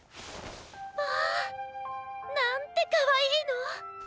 まあなんてかわいいの！